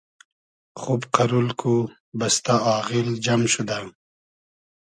خوب قئرول کو، بئستۂ آغیل جئم شودۂ